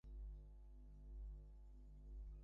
হে ঠাকুর, দৃষ্টি দিয়ো না ঠাকুর!